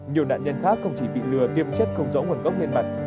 nhiều nạn nhân khác không chỉ bị lừa tiêm chất không dấu nguồn gốc lên mặt